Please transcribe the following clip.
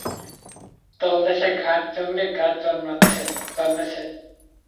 তলদেশে ঘাস জংলি গাছ জন্মেছে।